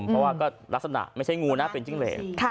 เพราะว่าก็ลักษณะไม่ใช่งูนะเป็นจิ้งเหรน